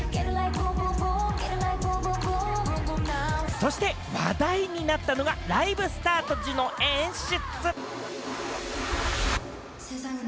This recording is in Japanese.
そして話題になったのが、ライブスタート時の演出。